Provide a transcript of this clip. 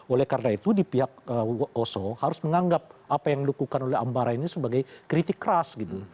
oleh karena itu di pihak oso harus menganggap apa yang dilakukan oleh ambara ini sebagai kritik keras gitu